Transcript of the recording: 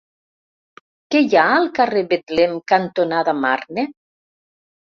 Què hi ha al carrer Betlem cantonada Marne?